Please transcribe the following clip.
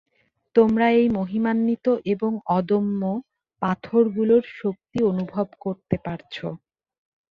তোমরা এই মহিমান্বিত এবং অদম্য, পাথরগুলোর শক্তি অনুভব করতে পারছ।